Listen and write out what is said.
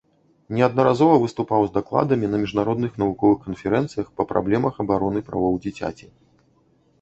Неаднаразова выступаў з дакладамі на міжнародных навуковых канферэнцыях па праблемах абароны правоў дзіцяці.